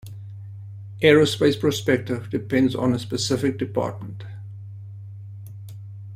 Aerospace prospective depends on a specific department.